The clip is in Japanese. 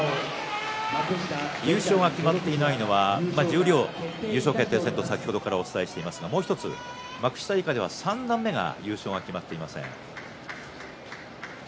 優勝が決まっていないのは十両優勝決定戦、先ほどからお伝えしていますがもう１つ幕下以下では、三段目が優勝が決まっていません。